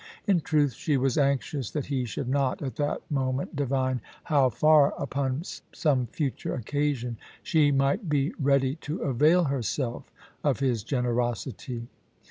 In truth, she was anxious that he should not at that moment divine how far 104 POUCY AND PASSION. upon some future occasion she might be ready to avail her self of his generosity.